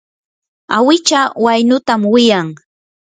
awicha waynutam wiyan.